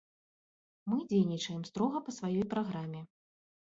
Мы дзейнічаем строга па сваёй праграме.